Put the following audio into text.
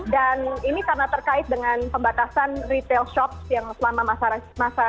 dan ini karena terkait dengan pembatasan retail shop yang selama masa circuit breaker atau psbb itu